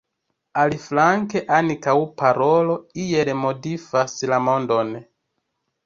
Aliflanke ankaŭ parolo iel modifas la mondon.